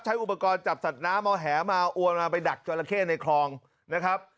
อุปกรณ์จับสัตว์น้ำเอาแหมาอวนมาไปดักจราเข้ในคลองนะครับ